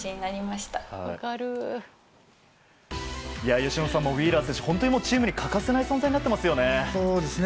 由伸さんもウィーラー選手は本当にチームに欠かせない存在になってますよね。